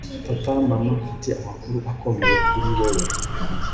Papa Mama Mfite amakuru akomeye kuri wewe